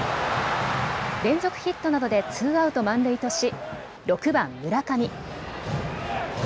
連続ヒットなどでツーアウト満塁とし６番・村上。